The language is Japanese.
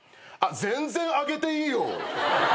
全然上げていいよ！